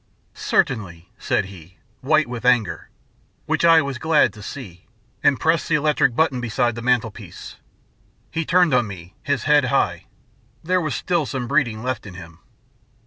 "Certainly," said he, white with anger, which I was glad to see, and pressed the electric button beside the mantelpiece. He turned on me, his head high. There was still some breeding left in him.